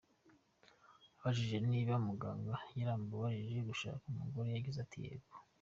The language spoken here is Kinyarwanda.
Abajije niba muganga yaramubujije gushaka umugore yagize ati “Yego”.